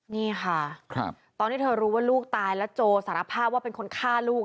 นี่ค่ะตอนที่เธอรู้ว่าลูกตายแล้วโจสารภาพว่าเป็นคนฆ่าลูก